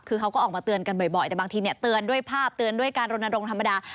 คือเขาก็ออกมาเตือนกันบ่อยแต่บางทีเตือนด้วยภาพเตือนด้วยการรณรงค์ธรรมดา